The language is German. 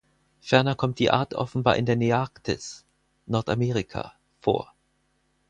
Ferner kommt die Art offenbar in der Nearktis (Nordamerika) vor.